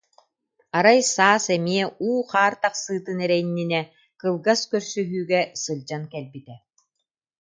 Арай саас эмиэ уу-хаар тахсыытын эрэ иннинэ кылгас көрсүһүүгэ сылдьан кэлбитэ